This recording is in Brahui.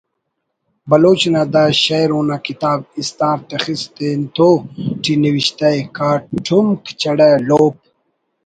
بلوچ نا دا شئیر اونا کتاب ”استار تخس تینتو“ ٹی نوشتہ ءِ: کاٹمک چڑہ لوپ